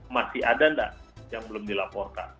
masih ada nggak yang belum dilaporkan